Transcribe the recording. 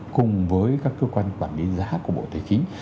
cùng với các cơ quan quản lý giá của bộ tài chính